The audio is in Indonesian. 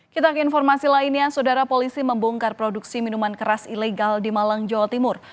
kita ke informasi lainnya saudara polisi membongkar produksi minuman keras ilegal di malang jawa timur